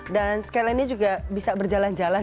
dan sekarang ini juga bisa berjalan jalan